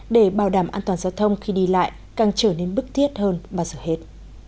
để bảo đảm an toàn giao thông khi đi lại càng trở nên bức thiết hơn bao giờ hết